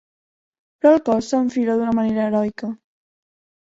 Però el cos s'enfila d'una manera heroica.